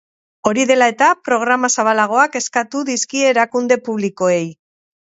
Hori dela eta, programa zabalagoak eskatu dizkie erakunde publikoei.